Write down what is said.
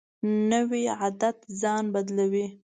نوی عادت ځان بدلوي